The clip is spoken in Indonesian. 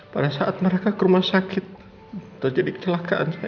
pada saat mereka ke rumah sakit itu jadi kecelakaan saya